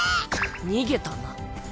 逃げたな。